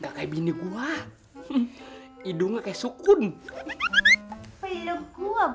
gak kayak bini gua hidungnya ke sukun peluk gua bang